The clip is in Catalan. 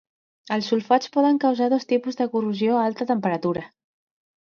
Els sulfats poden causar dos tipus de corrosió a alta temperatura.